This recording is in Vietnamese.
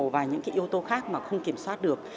và những cái yếu tố khác mà không kiểm soát được